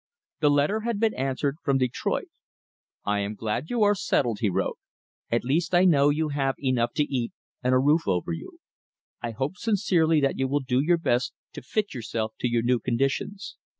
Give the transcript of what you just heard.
The letter had been answered from Detroit. "I am glad you are settled," he wrote. "At least I know you have enough to eat and a roof over you. I hope sincerely that you will do your best to fit yourself to your new conditions.